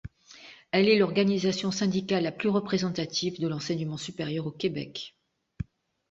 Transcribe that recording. Elle est l'organisation syndicale la plus représentative de l'enseignement supérieur au Québec.